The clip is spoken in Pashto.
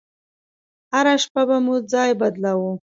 هره شپه به مو ځاى بدلاوه.